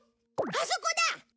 あそこだ！